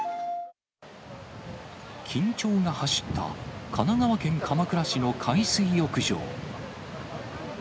緊張が走った神奈川県鎌倉市の海水浴場。